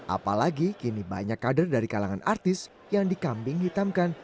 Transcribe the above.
apalagi kini banyak kader dari kalangan artis yang dikambing hitamkan